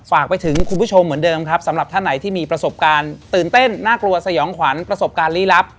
ฝากไปถึงคุณผู้ชมเหมือนเดิมครับสำหรับท่านไหนที่มีประสบการณ์ตื่นเต้นน่ากลัวสยองขวัญประสบการณ์ลี้ลับ